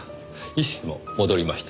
意識も戻りました。